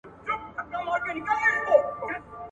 له دې ماتو ټوټو ډک کړي صندوقونه !.